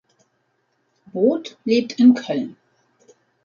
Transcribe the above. Both lebt in Köln.